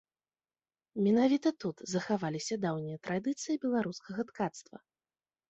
Менавіта тут захаваліся даўнія традыцыі беларускага ткацтва.